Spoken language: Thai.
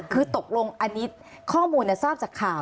คือตกลงอันนี้ข้อมูลทราบจากข่าว